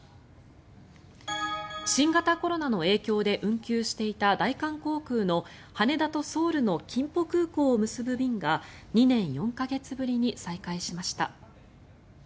新型コロナの影響で運休していた、大韓航空の羽田とソウルの金浦空港を結ぶ便が２年４か月ぶりに再開しました。